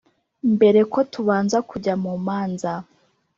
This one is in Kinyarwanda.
Mbere ko tubanza kujya mu manza